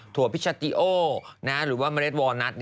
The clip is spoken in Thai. ถั่วพิชาติโอหรือว่ามะเลวอนัท